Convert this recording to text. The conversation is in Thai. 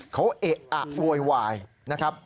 เขาเอะอะโวยวายนะครับ